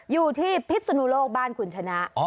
อยู่ที่พิษฐุนุโลกบ้านขุณชนะ